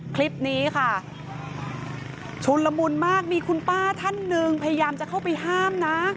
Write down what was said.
คลิปนี้ค่ะชุนละมุนมากมีคุณป้าท่านหนึ่งพยายามจะเข้าไปห้ามนะ